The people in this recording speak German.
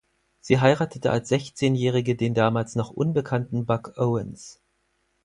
Sie heiratete als Sechzehnjährige den damals noch unbekannten Buck Owens.